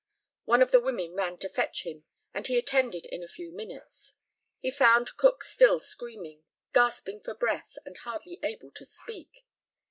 One of the women ran to fetch him, and he attended in a few minutes. He found Cook still screaming, gasping for breath, and hardly able to speak.